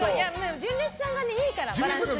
純烈さんがいいからバランスが。